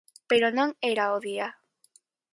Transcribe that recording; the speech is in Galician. Pero non era o día.